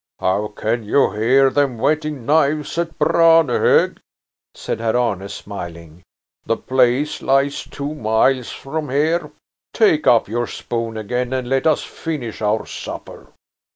"How can you hear them whetting knives at Branehog?" said Herr Arne, smiling. "The place lies two miles from here. Take up your spoon again and let us finish our supper."